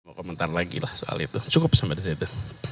mau komentar lagi lah soal itu cukup sampai di situ